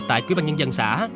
tại quỹ ban nhân dân xã